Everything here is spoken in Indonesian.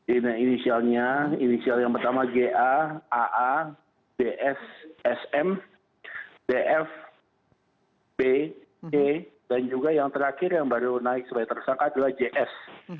ini inisialnya inisial yang pertama ga aa df sm df b e dan juga yang terakhir yang baru naik sebagai tersangka adalah js